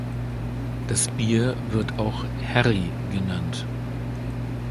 Das Bier wird auch "Herri" genannt.